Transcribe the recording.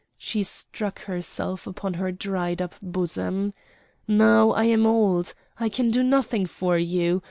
She struck herself upon her dried up bosom. "Now I am old! I can do nothing for you!